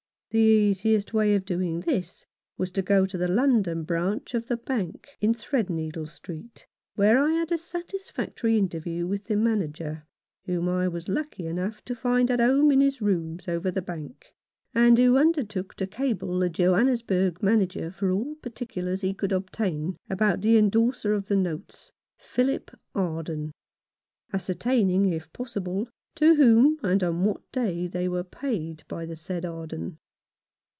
The easiest way of doing this was to go to the London branch of the Bank, in Threadneedle Street, where I had a satisfactory interview with the Manager, whom I was lucky enough to find at home in his rooms over the Bank, and who undertook to cable to the Johannesburg Manager for all particulars he 123 Rough Justice. could obtain about the endorser of the notes, Philip Arden, ascertaining if possible to whom and on what day they were paid by the said Arden.